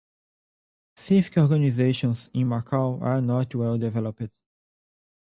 Civic organisations in Macau are not well-developed.